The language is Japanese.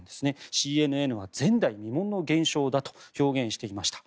ＣＮＮは前代未聞の現象だと表現していました。